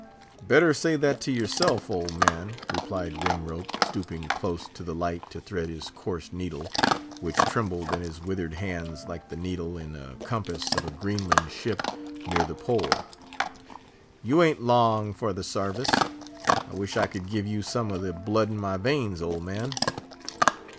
"Better say that to yourself, old man," replied Ringrope, stooping close to the light to thread his coarse needle, which trembled in his withered hands like the needle, in a compass of a Greenland ship near the Pole. "You ain't long for the sarvice. I wish I could give you some o' the blood in my veins, old man!"